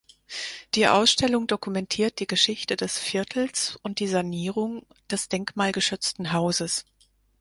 Die Ausstellung dokumentiert die Geschichte des Viertels und die Sanierung des denkmalgeschützten Hauses.